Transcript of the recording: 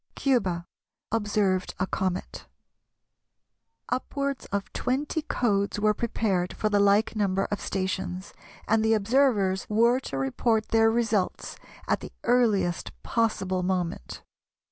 Cuba, Observed a comet. Upwards of twenty codes were prepared for the like number of stations, and the observers were to report their results at the earliest possible moment.